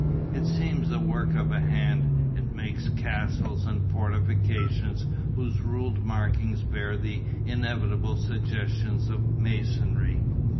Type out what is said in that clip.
It seems the work of a hand, it makes castles and fortifications whose ruled markings bear the inevitable suggestions of masonry.